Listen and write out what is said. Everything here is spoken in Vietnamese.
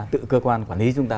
tự cơ quan quản lý chúng ta